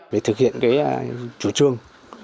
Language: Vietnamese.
về thực hiện chủ trương